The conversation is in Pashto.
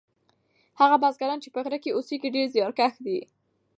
هغه بزګران چې په غره کې اوسیږي ډیر زیارکښ دي.